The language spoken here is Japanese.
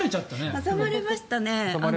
挟まれましたね。